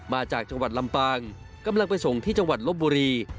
มาจากจังหวัดลำปางกำลังไปส่งที่จังหวัดลบบุรี